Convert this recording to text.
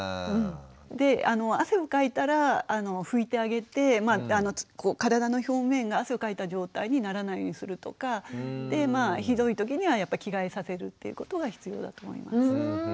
で汗をかいたら拭いてあげて体の表面が汗をかいた状態にならないようにするとかひどい時には着替えさせるっていうことが必要だと思います。